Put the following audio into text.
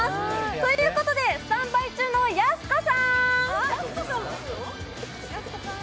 ということでスタンバイ中のやす子さん！